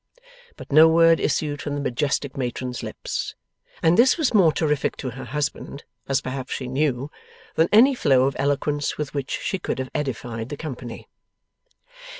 But no word issued from the majestic matron's lips. And this was more terrific to her husband (as perhaps she knew) than any flow of eloquence with which she could have edified the company.